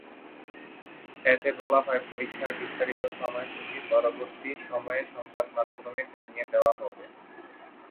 এতে বলা হয়, পরীক্ষার বিস্তারিত সময়সূচি পরবর্তী সময়ে সংবাদমাধ্যমে জানিয়ে দেওয়া হবে।